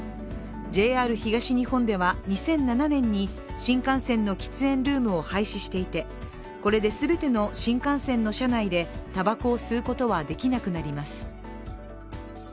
ＪＲ東日本では２００７年に新幹線の喫煙ルームを廃止していてこれで全ての新幹線の車内でたばこを吸うことはできなくなります。